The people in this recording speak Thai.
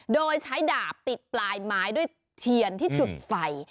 โดยใช้ดาบติดปลายไม้ด้วยเทียนที่จุดไฟ